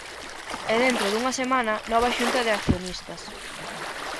E dentro dunha semana, nova xunta de accionistas.